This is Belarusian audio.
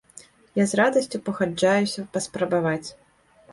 Я з радасцю пагаджаюся паспрабаваць.